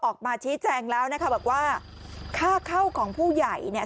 ออกมาชี้แจงแล้วนะคะบอกว่าค่าเข้าของผู้ใหญ่เนี่ย